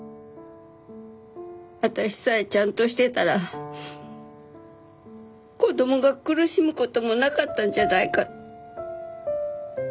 私さえちゃんとしてたら子供が苦しむ事もなかったんじゃないか。